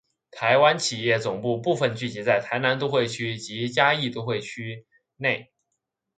台湾企业总部部份聚集在台南都会区及嘉义都会区内。